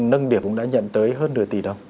nâng điểm cũng đã nhận tới hơn nửa tỷ đồng